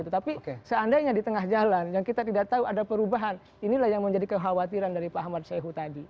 tetapi seandainya di tengah jalan yang kita tidak tahu ada perubahan inilah yang menjadi kekhawatiran dari pak ahmad syehu tadi